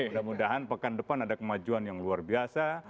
mudah mudahan pekan depan ada kemajuan yang luar biasa